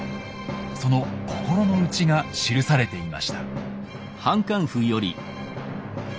その心の内が記されていました。